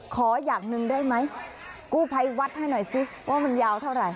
ขออย่างหนึ่งได้ไหมกู้ภัยวัดให้หน่อยสิว่ามันยาวเท่าไหร่